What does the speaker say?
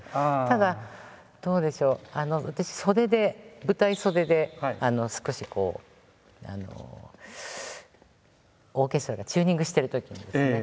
ただどうでしょう私袖で舞台袖で少しこうオーケストラがチューニングしてるときにですね